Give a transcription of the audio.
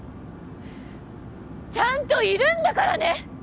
ちゃんといるんだからね！